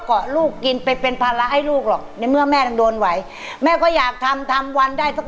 เกาะลูกกินไปเป็นภาระให้ลูกหรอกในเมื่อแม่ต้องโดนไหวแม่ก็อยากทำทำวันได้สัก